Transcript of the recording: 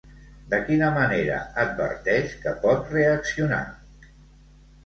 De quina manera adverteix que pot reaccionar?